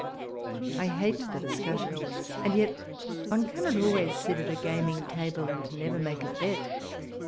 I hate the discussion, and yet one cannot always sit at a gaming table and never make a bet.